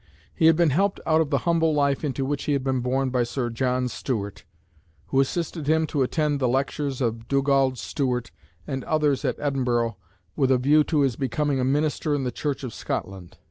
He had been helped out of the humble life into which he had been born by Sir John Stuart, who assisted him to attend the lectures of Dugald Stewart and others at Edinburgh with a view to his becoming a minister in the Church of Scotland.